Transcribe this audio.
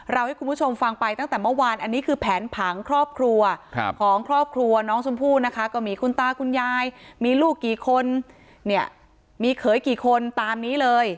ให้คุณผู้ชมฟังไปตั้งแต่เมื่อวานอันนี้คือแผนผังครอบครัวของครอบครัวน้องชมพู่นะคะก็มีคุณตาคุณยายมีลูกกี่คนเนี่ยมีเขยกี่คนตามนี้เลย